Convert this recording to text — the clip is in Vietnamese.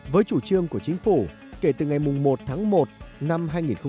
với chủ trương của chính phủ kể từ ngày một tháng một năm hai nghìn một mươi tám